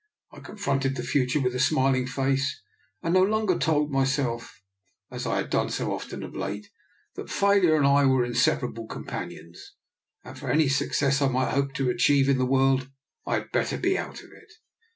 I confronted the future with a smiling face, and no longer told my self, as I had done so often of late, that Fail ure and I were inseparable companions, and for any success I might hope to achieve in the world I had better be out of it.